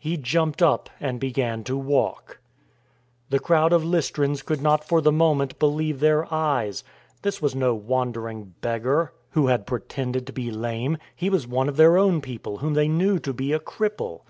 He jumped up and began to walk. The crowd of Lystrans could not for the moment believe their eyes. This was no wandering beggar WORSHIPPED AND STONED 145 who had pretended to be lame. He was one of their own people whom they knew to be a cripple.